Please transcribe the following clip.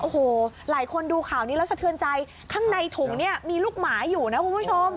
โอ้โหหลายคนดูข่าวนี้แล้วสะเทือนใจข้างในถุงเนี่ยมีลูกหมาอยู่นะคุณผู้ชม